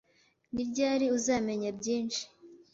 Ni ryari uzamenya byinshi?